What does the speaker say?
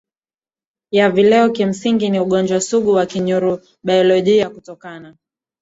ya vileo kimsingi ni ugonjwa sugu wa kinyurobiolojia kutokana